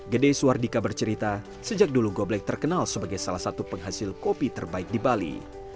gedai suar dika bercerita sejak dulu gobleg terkenal sebagai salah satu penghasil kopi terbaik di bali